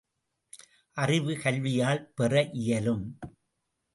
அறிவு கல்வியால் பெற இயலும்!